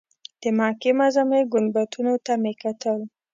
د مکې معظمې ګنبدونو ته مې کتل.